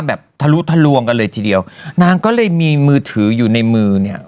ทะลุทะลวงกันเลยทีเดียวนางก็เลยมีมือถืออยู่ในมือเนี่ย